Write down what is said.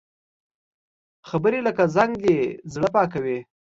خبرې لکه زنګ دي، زړه پاکوي